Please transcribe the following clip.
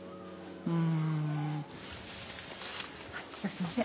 すいません。